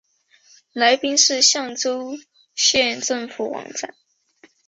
来宾市象州县政府网站